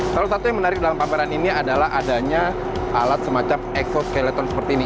salah satu yang menarik dalam pameran ini adalah adanya alat semacam expo skeleton seperti ini